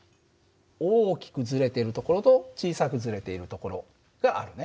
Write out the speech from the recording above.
大きくずれている所と小さくずれている所があるね。